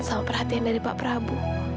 sama perhatian dari pak prabowo